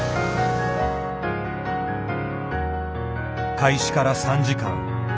開始から３時間。